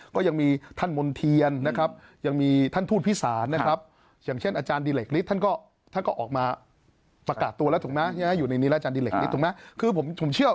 ก็ยังมีท่านมนเทียนนะครับยังมีท่านทูตพิสารนะครับอย่างเช่นอาจารย์ดิเล็กฤทธิ์ท่านก็ออกมาประกาศตัวแล้วถูกมั้ยอยู่ในนี้แล้วอาจารย์ดิเล็กฤทธิ์ถูกมั้ย